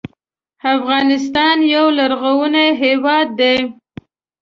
افغانستان یو لرغونی هېواد دی.